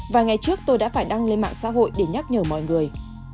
và ngày trước tôi đã phải đăng lên mạng xã hội để nhắc nhở mọi người